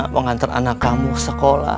mau ngantar anak kamu sekolah